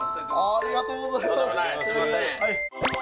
ありがとうございます。